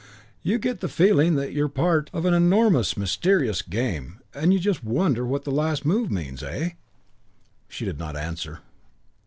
You get the feeling that you're part of an enormous, mysterious game, and you just wonder what the last move means. Eh?" She did not answer.